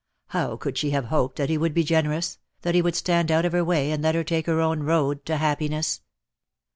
How could she have hoped that he would be generous, that he would stand out of her way and let her take her own road to happiness?